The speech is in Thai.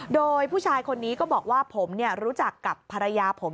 โดยผู้ชายคนนี้ก็บอกว่าผมรู้จักกับภรรยาผม